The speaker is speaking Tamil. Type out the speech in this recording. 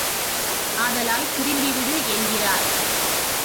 ஆதலால் திரும்பிவிடு என்கிறார்.